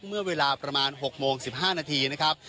เมื่อเวลาประมาณ๖๑๕นนะครับ